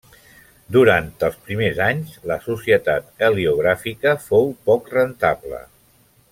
Durant els primers anys, la Societat Heliogràfica fou poc rentable.